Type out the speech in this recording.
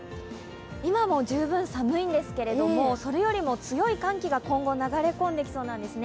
今も十分寒いんですけれどもそれよりも強い寒気が今後、流れ込んできそうなんですね